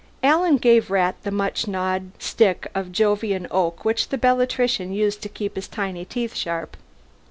Alan gave Rat the much gnawed stick of Jovian oak which the Bellatrician used to keep his tiny teeth sharp.